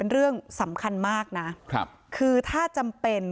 เรื่องสำคัญมากนะครับคือถ้าจำเป็น